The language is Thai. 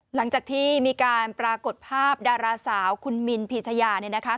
หลังจากที่มีการปรากฏภาพดาราสาวคุณมินพีชยาเนี่ยนะคะ